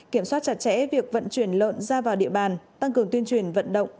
kiểm soát chặt chẽ việc vận chuyển lợn ra vào địa bàn tăng cường tuyên truyền vận động